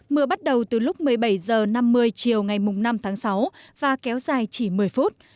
mưa bắt đầu từ lúc một mươi bảy h năm mươi chiều ngày năm tháng sáu và kéo dài chỉ một mươi phút